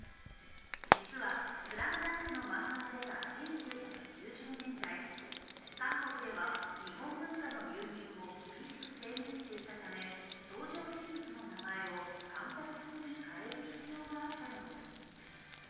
実は「ＳＬＡＭＤＵＮＫ」の漫画が出た１９９０年代、韓国では日本文化の流入を厳しく制限していたため登場人物の名前を韓国風に変える必要があったのです。